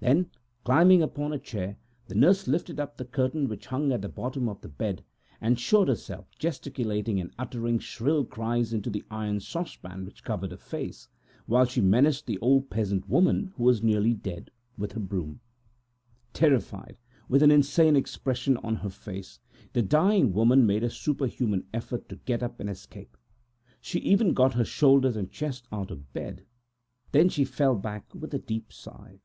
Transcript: Then, climbing on to a chair, the nurse showed herself, gesticulating and uttering shrill cries into the pot which covered her face, while she menaced the old peasant woman, who was nearly dead, with her broom. Terrified, with a mad look on her face, the dying woman made a superhuman effort to get up and escape; she even got her shoulders and chest out of bed; then she fell back with a deep sigh.